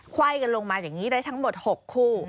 ไว่กันลงมาอย่างนี้ได้ทั้งหมด๖คู่